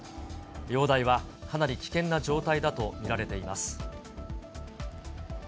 容体はかなり危険な状態だと見られています。